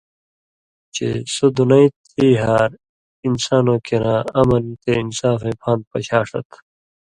چِہ سَو دُنئ تھی ہار انسانوں کِراں امن تے انصافَئیں پاند پَشاݜَت